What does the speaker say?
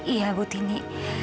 iya bu tini